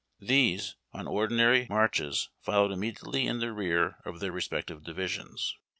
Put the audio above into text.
These, on ordinary marches, followed immediately in the rear of their respective divisions.